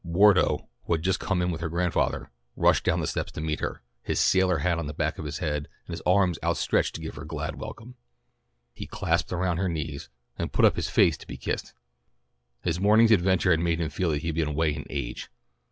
Wardo, who had just come in with her grandfather, rushed down the steps to meet her, his sailor hat on the back of his head, and his arms outstretched to give her glad welcome. He clasped her around the knees, and put up his face to be kissed. His morning's adventures made him feel that he had been away an age.